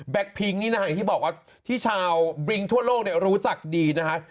พิงนี่นะฮะอย่างที่บอกว่าที่ชาวบริ้งทั่วโลกรู้จักดีนะฮะ